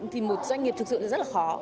thì một doanh nghiệp thực sự rất là khó